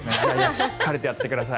しっかりとやってください。